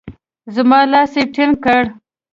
زما لاس يې ټينګ کړ.